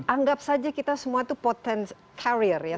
anggap saja kita semua itu potensi karier ya